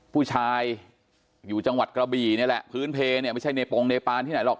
ผู้ชายอยู่จังหวัดกระบี่นี่แหละพื้นเพลเนี่ยไม่ใช่เนปงเนปานที่ไหนหรอก